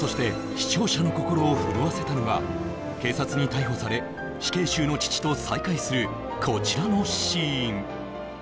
視聴者の心を震わせたのが警察に逮捕され死刑囚の父と再会するこちらのシーン